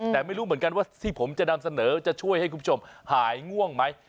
แต่ไม่รู้เหมือนกันว่าที่ผมจะนำเสนอจะช่วยให้คุณผู้ชมหายง่วงไหม